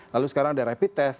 lalu sekarang ada rapid test